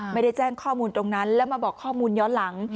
ไม่ได้แจ้งข้อมูลตรงนั้นแล้วมาบอกข้อมูลย้อนหลัง